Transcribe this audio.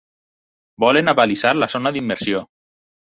Volen abalisar la zona d'immersió.